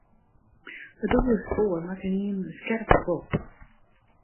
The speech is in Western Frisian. It dûbelde spoar makke ynienen in skerpe bocht.